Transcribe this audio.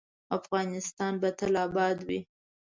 افغانستان به تل اباد وي